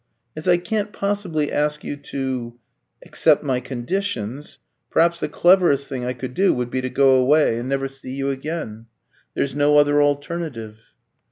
"As I can't possibly ask you to accept my conditions, perhaps the cleverest thing I could do would be to go away and never see you again. There's no other alternative."